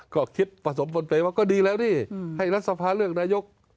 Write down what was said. ก็คิดผสมพลเพลงว่าดีแล้วดิให้รัฐสภาเลือกนายก